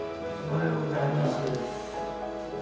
おはようございます。